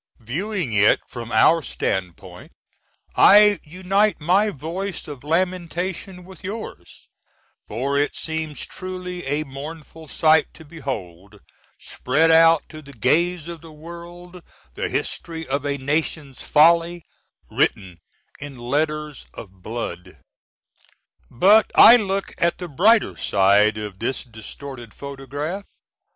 Viewing it from our standpoint I unite my voice of lamentation with yours; for it seems truly a mournful sight to behold, spread out to the gaze of the world, the history of a nation's folly, written in letters of blood. But I look at the brighter side of this distorted photograph.